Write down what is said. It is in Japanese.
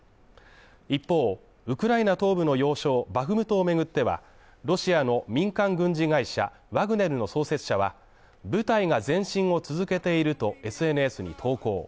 一方、ウクライナ東部の要衝バフムトを巡っては、ロシアの民間軍事会社ワグネルの創設者は、部隊が前進を続けているとＳＮＳに投稿。